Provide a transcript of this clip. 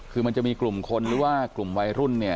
คือมันจะมีกลุ่มคนหรือว่ากลุ่มวัยรุ่นเนี่ย